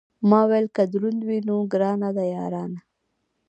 ما ویل که دروند وي، نو ګرانه ده یارانه.